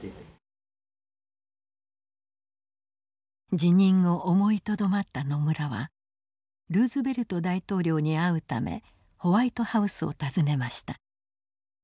辞任を思いとどまった野村はルーズベルト大統領に会うためホワイトハウスを訪ねました。